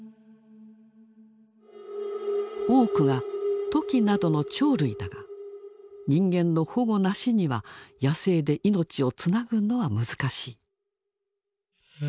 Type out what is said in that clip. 多くがトキなどの鳥類だが人間の保護なしには野生で命をつなぐのは難しい。